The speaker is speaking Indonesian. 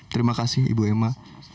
terima kasih ibu emma